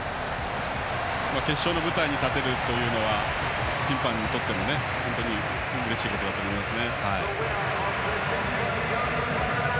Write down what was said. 決勝の舞台に立てるのは審判にとってもうれしいことだと思いますね。